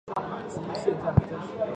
索泽勒人口变化图示